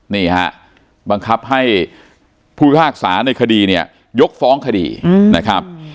นี่ฮะบังคับให้ผู้พิพากษาในคดีเนี่ยยกฟ้องคดีนะครับ